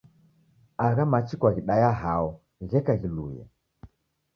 Agha machi kwaghidaya hao gheka ghilue?